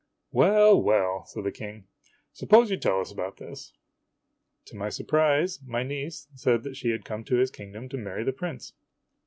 " Well, well," said the King. " Suppose you tell us about this ?' To my surprise my niece said that she had come to his kingdom to marry the prince.